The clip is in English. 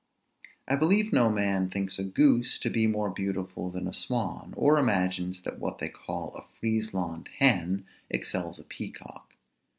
I believe no man thinks a goose to be more beautiful than a swan, or imagines that what they call a Friesland hen excels a peacock.